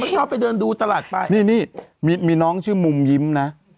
แม่ควันนั้นมึงคือแม่ฝัวพ่อมันค่อยหรือกระแปด